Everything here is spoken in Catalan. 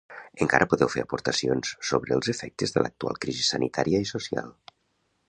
Encara podeu fer aportacions sobre els efectes de l'actual crisi sanitària i social.